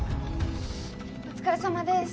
お疲れさまです。